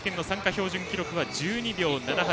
標準記録は１２秒７８。